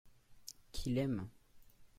qu'il aime.